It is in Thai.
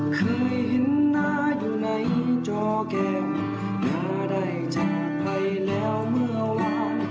เคยเห็นน้าอยู่ในจอเกมน้าได้จากไทยแล้วเมื่อวาน